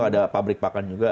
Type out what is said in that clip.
ada pabrik pakan juga